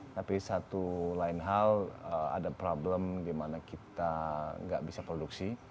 tapi satu lain hal ada problem di mana kita nggak bisa produksi